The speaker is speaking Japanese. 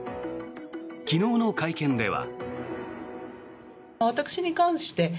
昨日の会見では。